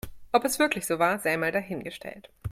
Ob es wirklich so war, sei mal dahingestellt.